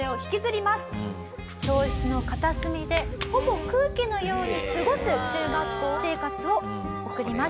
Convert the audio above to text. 教室の片隅でほぼ空気のように過ごす中学校生活を送ります。